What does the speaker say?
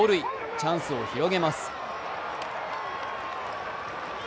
チャンスを広げます。